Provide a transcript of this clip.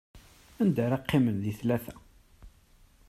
Anda ara qqimen di tlata?